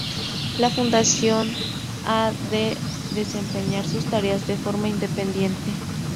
La fundación ha de desempeñar sus tareas de forma independiente.